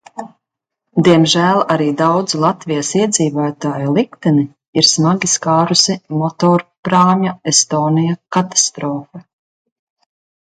"Diemžēl arī daudzu Latvijas iedzīvotāju likteni ir smagi skārusi motorprāmja "Estonia" katastrofa."